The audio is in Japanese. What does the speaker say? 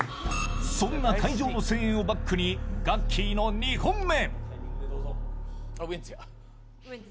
そんな会場の声援をバックにガッキーの２本目。